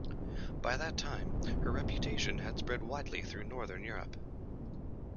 By that time, her reputation had spread widely through Northern Europe.